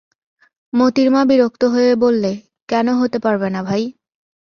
মোতির মা বিরক্ত হয়েই বললে, কেন হতে পারবে না ভাই?